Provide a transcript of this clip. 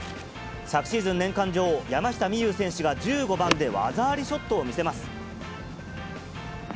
昨シーズン年間女王、山下美夢有選手が１５番で技ありショットを見せます。